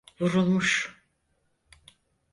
Vurulmuş.